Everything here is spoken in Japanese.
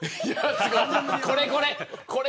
これこれ。